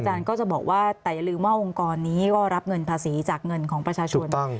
ก็จะบอกว่าแต่อย่าลืมว่าองค์กรนี้ก็รับเงินภาษีจากเงินของประชาชน